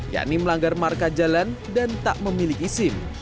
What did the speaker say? yakni melanggar marka jalan dan tak memiliki sim